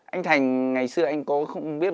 anh thành ngày xưa anh có không biết